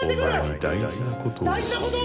大事なこと！？